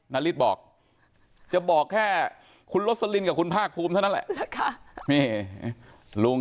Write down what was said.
นาริสบอกจะบอกแค่คุณลสลินกับคุณภาคภูมิเท่านั้นแหละ